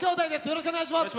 よろしくお願いします。